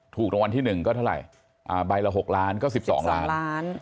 ถูกรางวัลที่๑ก็เท่าไหร่ใบละ๖ล้านก็๑๒ล้านล้าน